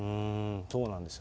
そうなんですよ。